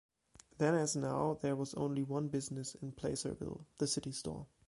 Then as now there was only one business in Placerville, the city store.